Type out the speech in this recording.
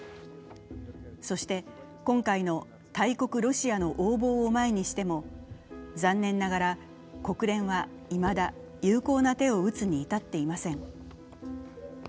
そして今回の大国ロシアの横暴を前にしても残念ながら国連はいまだ有効な手を打つに至っていません。